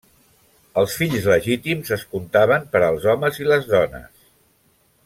Els fills legítims es contaven per als homes i les dones.